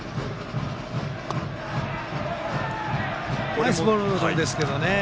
ナイスボールですけどね。